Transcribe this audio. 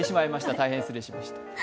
大変失礼いたしました。